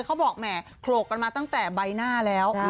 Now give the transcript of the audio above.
แหมโขลกกันมาตั้งแต่ใบหน้าแล้ว